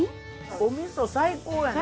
お味最高やね。